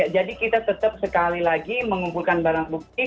jadi kita tetap sekali lagi mengumpulkan barang bukti